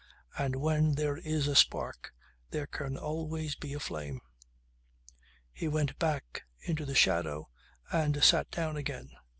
And when there is a spark there can always be a flame ..." He went back into the shadow and sat down again.